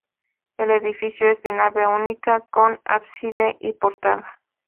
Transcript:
El edificio es de nave única con ábside y portada.